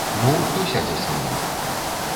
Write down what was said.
Ну, хто сядзе са мной?